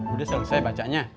udah selesai bacanya